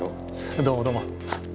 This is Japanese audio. どうもどうも。